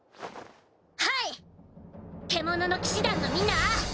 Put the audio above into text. はい獣の騎士団のみんな！